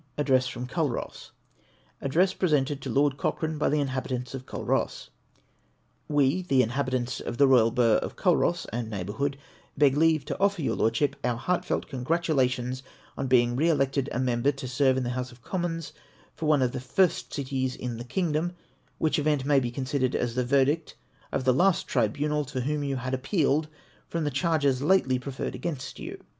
ADDRESS FROM CULROSS. Address jrresented to Lord Cochrane hy the mhabitants of Cidross. We, the inhabitants of the royal burgh of Culross and neighbourhood, beg leave to offer your Lordship our heartfelt congratulations on being re elected a member to serve in the House of Commons for one of the first cities in the kingdom ; which event may be considered as the verdict of the last tribunal to whom you liad appealed from the charges lately preferred against you.